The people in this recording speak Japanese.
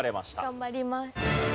頑張ります。